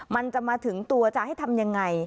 มันจะมาถึงตัวจะให้ทำยังไง